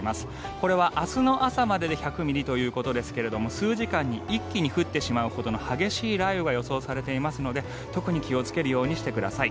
これは明日の朝までで１００ミリということですが数時間に一気に降ってしまうほどの激しい雷雨が予想されていますので特に気をつけるようにしてください。